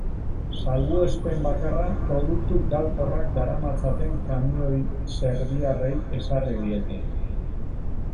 Salbuespen bakarra produktu galkorrak daramatzaten kamioi serbiarrei ezarri diete.